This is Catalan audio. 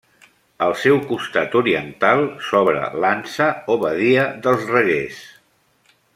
Al seu costat oriental s'obre l'Ansa o Badia dels Reguers.